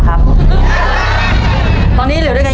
ไปเร็วหน้า